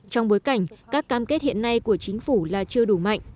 trong bối cảnh các cam kết hiện nay của chính phủ là chưa đủ mạnh